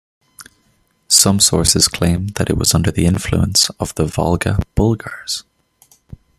Some sources claim that it was under the influence of the Volga Bulgars.